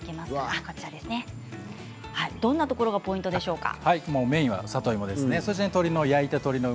どんなところがポイントですか？